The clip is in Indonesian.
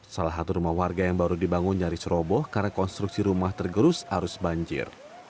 salah satu rumah warga yang baru dibangun nyaris roboh karena konstruksi rumah tergerus arus banjir